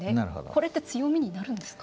これって強みになるんですか？